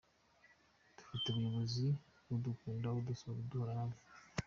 Dufite umuyobozi udukunda, udusura, uduhora hafi.